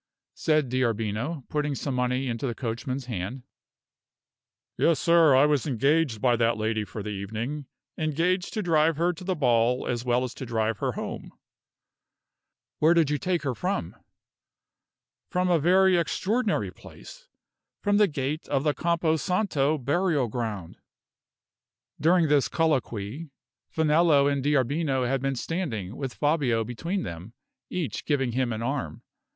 said D'Arbino, putting some money into the coachman's hand. "Yes, sir; I was engaged by that lady for the evening engaged to drive her to the ball as well as to drive her home." "Where did you take her from?" "From a very extraordinary place from the gate of the Campo Santo burial ground." During this colloquy, Finello and D'Arbino had been standing with Fabio between them, each giving him an arm.